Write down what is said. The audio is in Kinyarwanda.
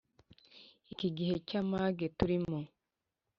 iki gihe cy’amage turimo!